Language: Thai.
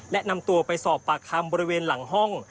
และนำตัวไปสอบปากคำบริเวณหลังห้อง